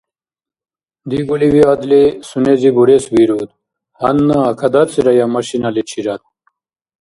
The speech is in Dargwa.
Дигули виадли, сунези бурес вируд, гьанна кадацӀирая машиналичирад!